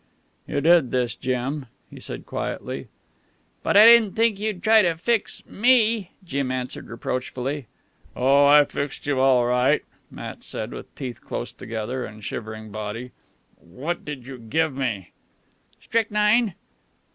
"You did this, Jim," he said quietly. "But I didn't think you'd try to fix me," Jim answered reproachfully. "Oh, I fixed you all right," Matt said, with teeth close together and shivering body. "What did you give me?" "Strychnine."